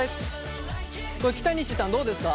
これ北西さんどうですか？